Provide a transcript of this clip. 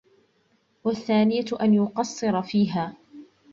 وَالثَّانِيَةُ أَنْ يُقَصِّرَ فِيهَا